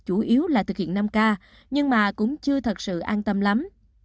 chủ yếu là thực hiện năm k nhưng mà cũng chưa thật sự an tâm lắm